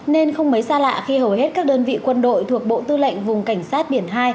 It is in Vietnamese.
nên không mấy xa lạ khi hầu hết các đơn vị quân đội thuộc bộ tư lệnh vùng cảnh sát biển hai